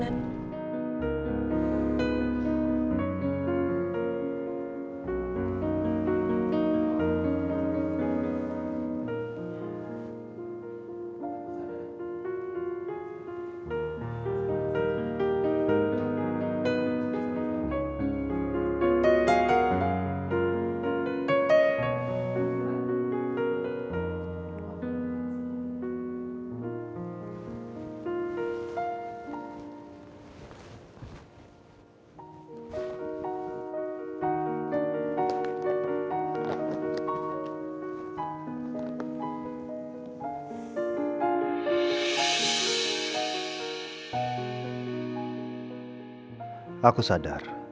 biar kamu gak kedinginan